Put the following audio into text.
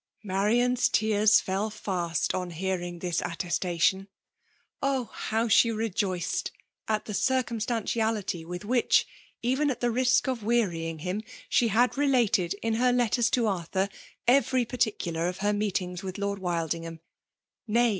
Marian's tears fell fast on hearing this at testation. . Oh ! how she rejoiced at. the cir Gumstantiality with.which, even at the risk of wearying him^ she had related in her letters to Arthur erery particular of her meetings with Lord Wildingham, — hay